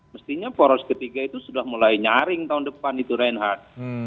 mestinya poros ketiga itu sudah mulai nyaring tahun depan itu reinhardt